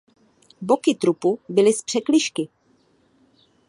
Boky trupu byly z překližky.